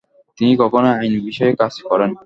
তিনি কখনই আইন বিষয়ে কাজ করেন।